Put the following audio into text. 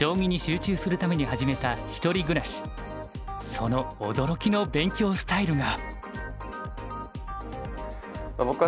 その驚きの勉強スタイルが。